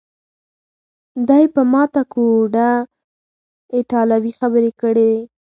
دی په ماته ګوډه ایټالوي خبرې پیل کړې.